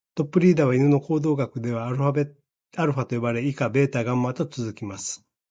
トップのリーダーは犬の行動学ではアルファと呼ばれ、以下ベータ、ガンマと続きます。